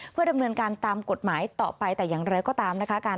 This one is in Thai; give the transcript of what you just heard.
เพื่อดำเนินการตามกฎหมายต่อไปแต่อย่างไรก็ตามนะคะ